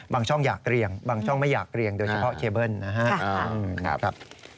บางช่องอยากเรียงบางช่องไม่อยากเรียงโดยเฉพาะเคเบิ้ลนะครับ